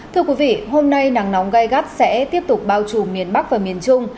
thưa quý vị hôm nay nắng nóng gai gắt sẽ tiếp tục bao trùm miền bắc và miền trung